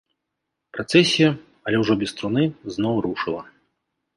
Працэсія, але ўжо без труны, зноў рушыла.